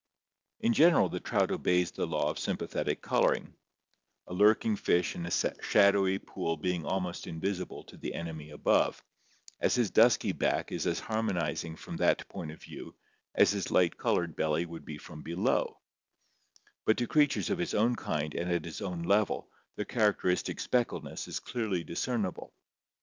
In general the trout obeys the law of sympathetic coloring, a lurking fish in a shadowy pool being almost invisible to the enemy above, as his dusky back is as harmonizing from that point of view as his light colored belly would be from below; but to creatures of his own kind and at his own level the characteristic speckledness is clearly discernible.